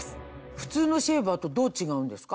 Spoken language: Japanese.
普通のシェーバーとどう違うんですか？